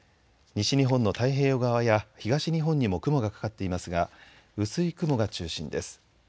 西日本の太平洋側や東日本にも雲がかかっていますが薄い雲が中心です。